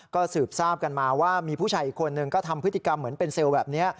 ก็สืบทราบกันมาว่ามีผู้ชายอีกคนนึงก็ทำพฤติกรรมเหมือนเป็นเซลล์แบบนี้